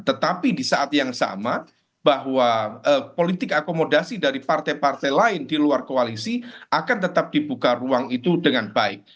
tetapi di saat yang sama bahwa politik akomodasi dari partai partai lain di luar koalisi akan tetap dibuka ruang itu dengan baik